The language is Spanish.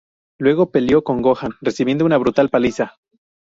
Luego peleó con Gohan recibiendo una brutal paliza.